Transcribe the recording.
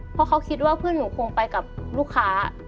เพราะเขาคิดว่าเพื่อนหนูคงไปกับลูกค้า